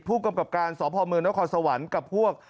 ผู้กำกับการสพเมืองนครสวรรค์กับพวก